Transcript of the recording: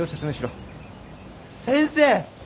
先生。